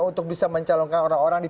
untuk bisa mencalonkan orang orang di